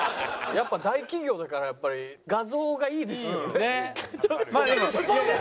大企業だからやっぱり画像がいいですよね。